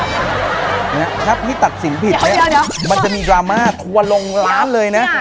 นี่ครับพี่ตัดสินผิดมันจะมีดราม่าทัวร์ลงร้านเลยนะ